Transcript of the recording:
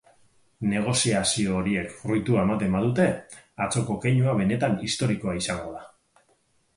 Negoziazio horiek fruitua ematen badute, atzoko keinua benetan historikoa izango da.